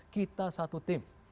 kita satu tim